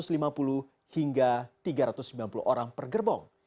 satu ratus lima puluh hingga tiga ratus sembilan puluh orang per gerbong